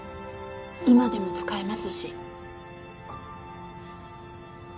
今でも使えますし。